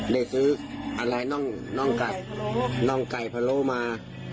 ได้ซื้ออะไรน่องไก่พะโลมา